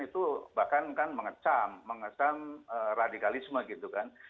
itu bahkan kan mengecam mengecam radikalisme gitu kan